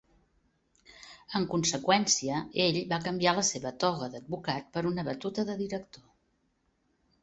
En conseqüència, ell va canviar la seva "toga" d"advocat per una batuta de director.